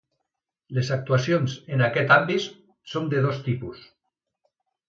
Les actuacions en aquest àmbit són de dos tipus.